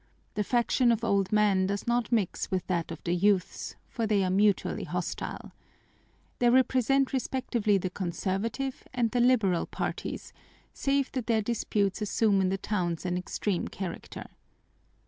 The faction of old men does not mix with that of the youths, for they are mutually hostile. They represent respectively the conservative and the liberal parties, save that their disputes assume in the towns an extreme character.